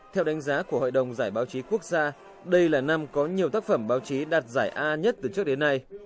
theo đánh giá của hội đồng giải báo chí quốc gia đây là năm có nhiều tác phẩm báo chí đạt giải a nhất từ trước đến nay